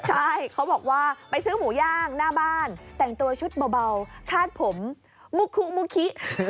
ใช่เขาบอกว่าไปซื้อหมูย่างหน้าบ้านแต่งตัวชุดเบาคาดผมมุคุมุคิ